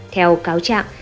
theo cáo trạng